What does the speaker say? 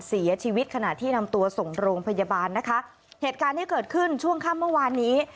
เสียชีวิตขณะที่นำตัวส่งโรงพยาบาลนะคะเหตุการณ์ที่เกิดขึ้นช่วงค่ำเมื่อวานนี้